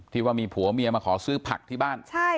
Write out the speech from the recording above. ว่ามีผัวเมียมาขอซื้อผักที่บ้าน